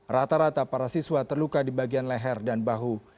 rata rata para siswa terluka di bagian leher dan bahu